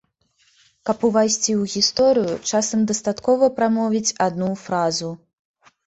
Каб увайсці ў гісторыю, часам дастаткова прамовіць адну фразу.